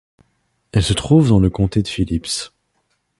Elle se trouve dans le comté de Phillips.